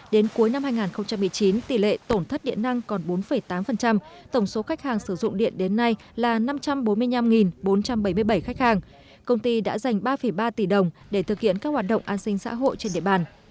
đến cuối năm hai nghìn một mươi chín tỷ lệ tổn thất điện năng còn bốn tám tổng số khách hàng sử dụng điện đến nay là năm trăm bốn mươi năm bốn trăm bảy mươi bảy khách hàng công ty đã dành ba ba tỷ đồng để thực hiện các hoạt động an sinh xã hội trên địa bàn